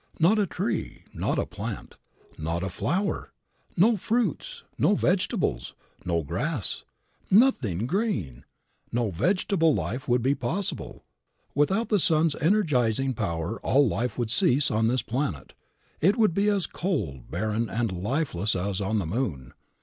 Not a tree, not a plant, not a flower, no fruits, no vegetables, no grass, nothing green, no vegetable life would be possible. Without the sun's energizing power all life would cease on this planet. It would be as cold, barren and lifeless as on the moon.